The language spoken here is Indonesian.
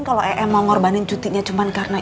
kalau em mau ngorbanin cutinya cuma karena